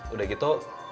udah gitu kita pilih